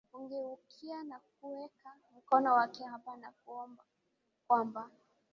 kugeukia na kuweka mkono wake hapa na kuona kwamba